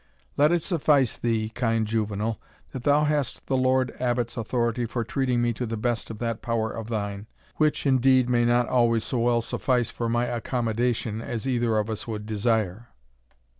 Let it suffice thee, kind juvenal, that thou hast the Lord Abbot's authority for treating me to the best of that power of thine, which, indeed, may not always so well suffice for my accommodation as either of us would desire."